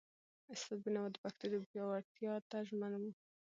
استاد بینوا د پښتو ژبې پیاوړتیا ته ژمن و.